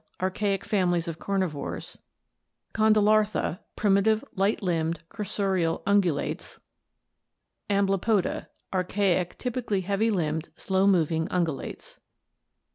Archaic families of carnivores Condylarthra. Primitive light limbed cursorial ungulates Amblypoda. Archaic, typically heavy limbed, slow moving ungulates.